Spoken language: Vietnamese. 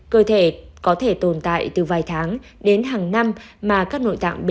cơ thể có thể tồn tại từ vài tháng đến hàng năm mà các nội tạng biến đổi